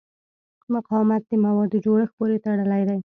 مقاومت د موادو جوړښت پورې تړلی دی.